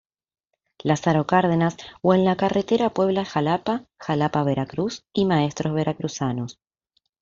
Lázaro Cárdenas o en la Carretera Puebla–Xalapa, Xalapa-Veracruz y maestros veracruzanos.